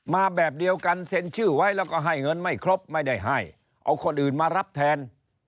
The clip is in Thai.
มาแบบเดียวกันเซ็นชื่อไว้แล้วก็ให้เงินไม่ครบไม่ได้ให้เอาคนอื่นมารับแทน